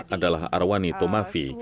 adalah arwani tomafi